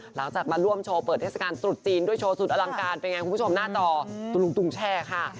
หลังจากมาร่วมโชว์เปิดเทศกาลตรุษจีนด้วยโชว์สุดอลังการเป็นไงคุณผู้ชมหน้าจอตุลุงตุงแช่ค่ะ